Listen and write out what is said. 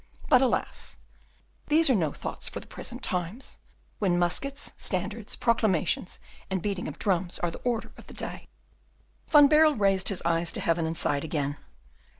But, alas! these are no thoughts for the present times, when muskets, standards, proclamations, and beating of drums are the order of the day." Van Baerle raised his eyes to heaven and sighed again.